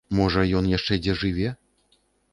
Можа, ён яшчэ дзе жыве?